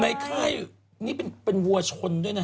ในค่ายนี่เป็นวัวชนด้วยนะครับ